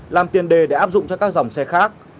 làm tiền đề để áp dụng cho các dòng xe khác